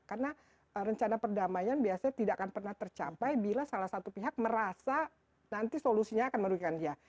karena rencana perdamaian biasanya tidak akan pernah tercapai bila salah satu pihak merasa nanti solusinya akan merugikan dia